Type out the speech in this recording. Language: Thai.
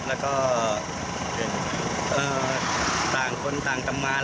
แล้วก็ต่างคนต่างทำงาน